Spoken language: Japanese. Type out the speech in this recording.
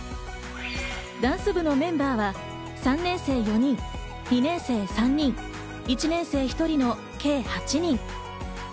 ダンス部のメンバーは３年生４人、２年生３人、１年生１人の計８人。